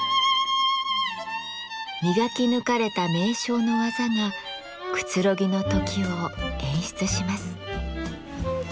磨き抜かれた名匠の技がくつろぎの時を演出します。